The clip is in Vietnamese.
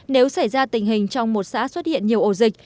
nếu xảy ra tình hình trong một xã xuất hiện nhiều ổ dịch